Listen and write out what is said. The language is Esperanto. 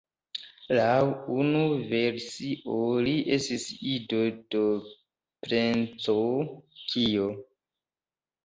Laŭ unu versio li estis ido de Princo Kio.